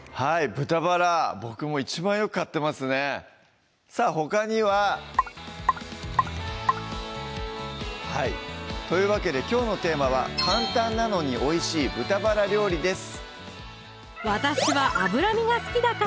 豚バラ僕も一番よく買ってますねさぁほかにははいというわけできょうのテーマは「簡単なのにおいしい豚バラ料理」です